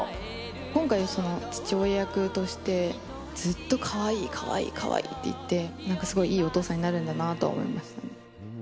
今回、父親役としてずっとかわいい、かわいい、かわいいって言って、なんかすごいいいお父さんになるんだなとは思いました。